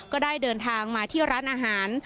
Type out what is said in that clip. ก็ได้เดินทางมาที่ร้านอาหาร